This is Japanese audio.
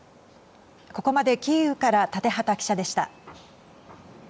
ここまでキーウから建畠記者でした。